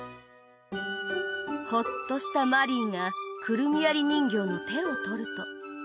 ホッとしたマリーがくるみわり人形の手を取ると。